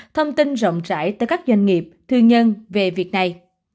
thông tin rộng rãi tới các doanh nghiệp thương nhân về việc này